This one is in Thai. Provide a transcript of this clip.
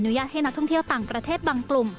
ญาตให้นักท่องเที่ยวต่างประเทศบางกลุ่ม